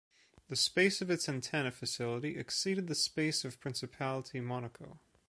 The space of its antenna facility exceeded the space of principality Monaco.